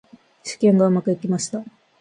試験がうまくいきました。